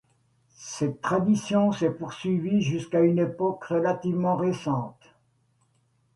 Cette tradition s'est poursuivie jusqu'à une époque relativement récente.